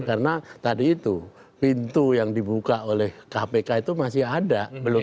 karena tadi itu pintu yang dibuka oleh kpk itu masih ada